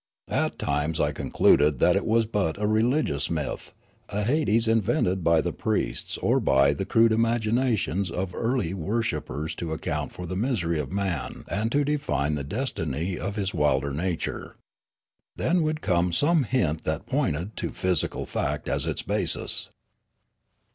At times I concluded that it was but a religious myth, a hades invented by the priests or by the crude imagination of early wor shippers to account for the misery of man and to define the destiny of his wilder nature. Then would come some hint that pointed to physical fact as its basis.